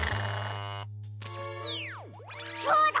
そうだ